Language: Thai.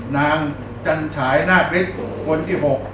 ๕นางจัญฉายนาฤทธิ์